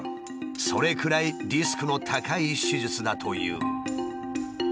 それくらいリスクの高い手術だという。